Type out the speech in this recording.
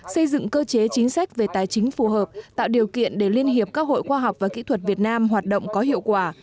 xây dựng cơ chế chính sách về tài chính phù hợp tạo điều kiện để liên hiệp các hội khoa học và kỹ thuật việt nam hoạt động có hiệu quả